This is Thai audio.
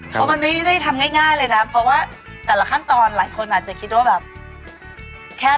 เพราะมันไม่ได้ทำง่ายเลยนะเพราะว่าแต่ละขั้นตอนหลายคนอาจจะคิดว่าแบบแค่